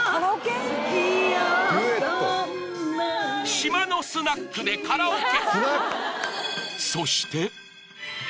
島のスナックでカラオケ